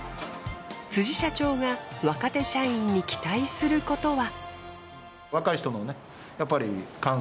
辻社長が若手社員に期待することは。